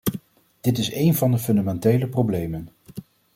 Dit is een van de fundamentele problemen.